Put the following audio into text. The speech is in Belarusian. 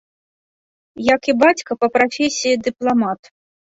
Як і бацька, па прафесіі дыпламат.